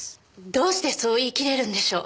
どうしてそう言い切れるんでしょう？